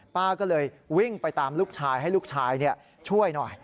ป้าก็เลยวิ่งไปตามลูกชายให้ลูกชายช่วยหน่อย